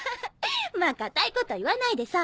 まぁ固いこと言わないでさ。